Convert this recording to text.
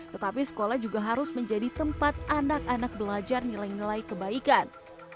tetapi sekolah juga harus menjadi tempat anak anak belajar nilai nilai kebaikan